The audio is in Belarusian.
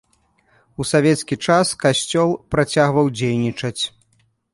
У савецкі час касцёл працягваў дзейнічаць.